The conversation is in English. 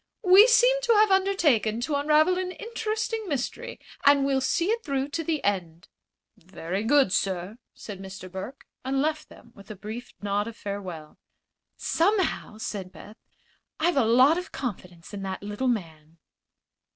"We seem to have undertaken to unravel an interesting mystery, and we'll see it through to the end." "Very good, sir," said Mr. Burke, and left them with a brief nod of farewell. "Somehow," said Beth, "I've a lot of confidence in that little man."